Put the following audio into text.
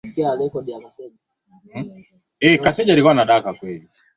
hadi mwaka elfu moja mia tisa hamsini